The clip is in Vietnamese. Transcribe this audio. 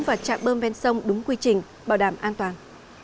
và trạm bơm ven sông đúng quy trình bảo đảm an toàn